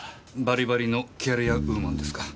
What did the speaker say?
バリバリのキャリアウーマンですか？